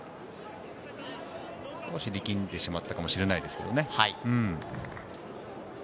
少し力んでしまったかもしれないですけどね。